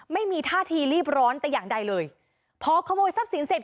ไม่มีท่าทีรีบร้อนแต่อย่างใดเลยพอขโมยทรัพย์สินเสร็จ